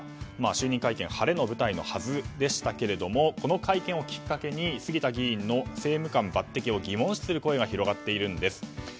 就任会見は晴れの舞台のはずだったんですがこの会見をきっかけに杉田議員の政務官抜擢を疑問視する声が広がっているんです。